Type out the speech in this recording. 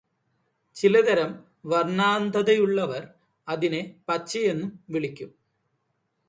ചില തരം വർണാന്ധതയുള്ളവർ അതിനെ പച്ചയെന്നും വിളിക്കും.